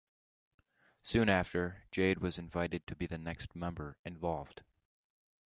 Soon after, Jade was invited to be the next member involved.